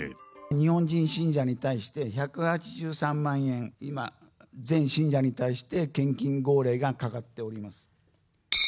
日本人信者に対して１８３万円、今、全信者に対して、献金号令がかかっております。